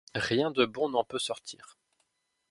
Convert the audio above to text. Rien de bon n'en peut sortir.